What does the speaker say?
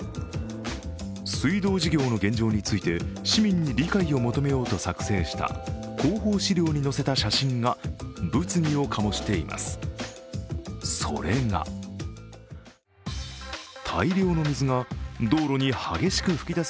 水道事業の現状について市民に理解を求めようと作成した広報資料に載せた写真が物議を醸しています。